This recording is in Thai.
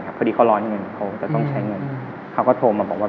พอดีเขาร้อนเงินเขาจะต้องใช้เงินเขาก็โทรมาบอกว่า